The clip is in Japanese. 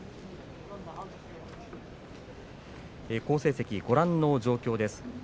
好成績、ご覧の状況です。